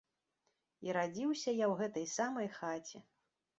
І радзіўся я ў гэтай самай хаце.